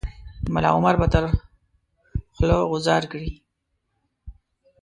ملا عمر به تر خوله غورځار کړي.